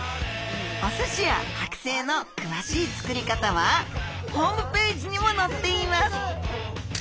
お寿司やはく製の詳しい作り方はホームページにものっています。